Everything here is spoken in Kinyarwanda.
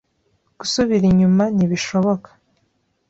Gusubira inyuma nti bishiboka